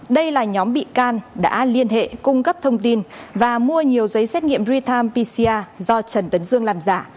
đây là nhóm bị can đã liên hệ cung cấp thông tin và mua nhiều giấy xét nghiệm real time pcr do trần tấn dương làm giả